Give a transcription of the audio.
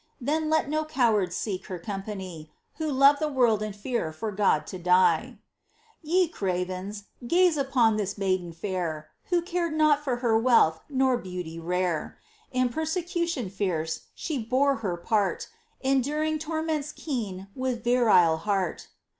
Then let no cowards seek Her company, Who love the world and fear For God to die ! Ye cravens, gaze, upon This maiden fair, Who cared naught for her wealth Nor beauty rare. In persecution fierce She bore her part, Enduring torments keen With virile heart